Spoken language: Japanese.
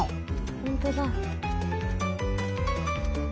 ほんとだ。